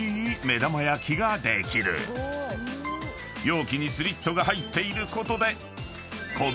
［容器にスリットが入っていることで］